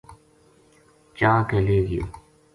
چا کے لے گیو